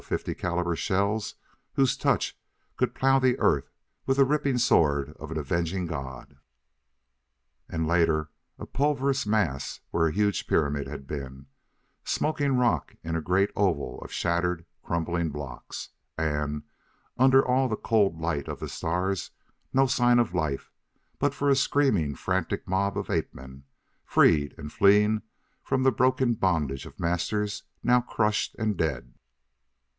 50 caliber shells whose touch could plough the earth with the ripping sword of an avenging god. And later a pulverous mass where a huge pyramid had been; smoking rock in a great oval of shattered crumbling blocks; and, under all the cold light of the stars, no sign of life but for a screaming, frantic mob of ape men, freed and fleeing from the broken bondage of masters now crushed and dead!